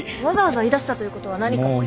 わざわざ言いだしたということは何か。